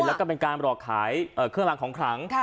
แล้วก็เป็นการหลอกขายเครื่องรางของขลัง